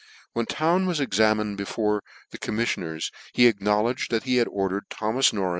Wncn Town was examin d before the commif lioners he acknowledged tr.at he had ordered Tho mas Nor.